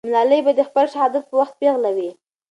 ملالۍ به د خپل شهادت په وخت پېغله وي.